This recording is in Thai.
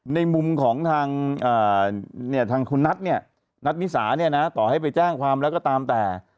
ในมุมของทางคุณนัทเนี่ยนัทนิสาเนี่ยนะต่อให้ไปแจ้งความแล้วก็ตามแต่